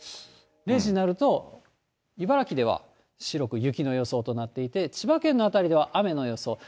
０時になると、茨城県では白く雪の予想となっていて、千葉県の辺りでは雨の予想。